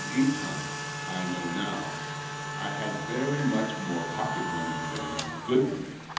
Eton — I know now — I had very much more pocket money than was good for me.